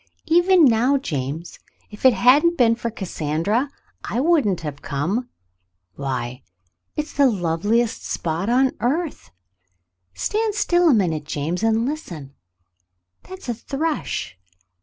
Even now, James, if it hadn't been for Cassandra, I wouldn't have come. Why — it's the loveliest spot on earth. Stand still a minute, James, and listen. That's a thrush.